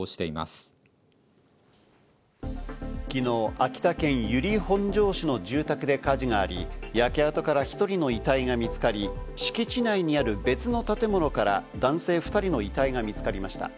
秋田県由利本荘市の住宅で火事があり、焼け跡から１人の遺体が見つかり、敷地内にある別の建物から男性２人の遺体が見つかりました。